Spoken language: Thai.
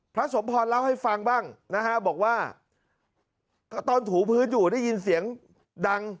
สมพรเล่าให้ฟังบ้างนะฮะบอกว่าก็ตอนถูพื้นอยู่ได้ยินเสียงดัง